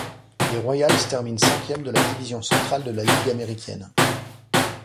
Les Royals terminent cinquièmes de la Division centrale de la Ligue américaine.